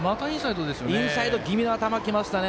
インサイド気味の球、きましたね。